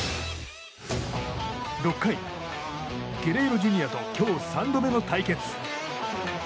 ６回、ゲレーロＪｒ．と今日３度目の対決。